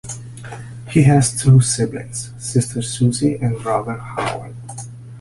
He has two siblings: sister Susie and brother Howard.